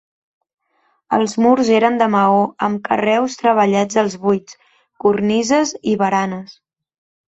Els murs eren de maó amb carreus treballats als buits, cornises i baranes.